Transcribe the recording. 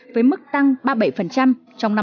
với mức tăng ba mươi bảy trong năm hai nghìn một mươi bảy